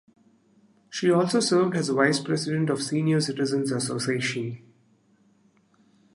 She also served as vice president of Senior Citizens Association.